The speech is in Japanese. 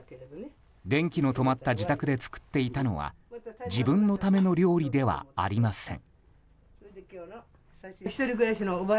電気の止まった自宅で作っていたのは自分のための料理ではありません。